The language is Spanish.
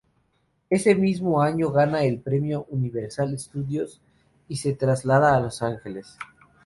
Ese mismo año gana el Premio Universal Studios y se traslada a Los Ángeles.